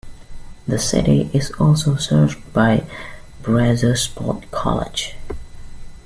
The city is also served by Brazosport College.